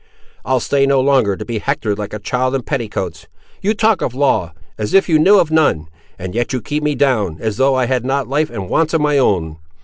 "I'll stay no longer to be hectored like a child in petticoats. You talk of law, as if you knew of none, and yet you keep me down, as though I had not life and wants of my own.